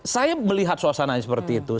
saya melihat suasananya seperti itu